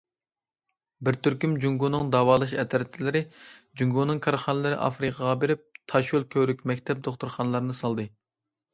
بىر تۈركۈم جۇڭگونىڭ داۋالاش ئەترەتلىرى، جۇڭگونىڭ كارخانىلىرى ئافرىقىغا بېرىپ، تاشيول، كۆۋرۈك، مەكتەپ، دوختۇرخانىلارنى سالدى.